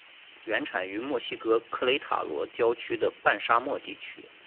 原产于墨西哥克雷塔罗郊区的半沙漠地区。